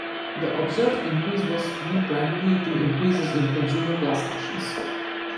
The observed increase was due primarily to increases in consumer class actions.